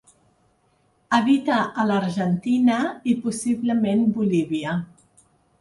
Habita a l'Argentina i possiblement Bolívia.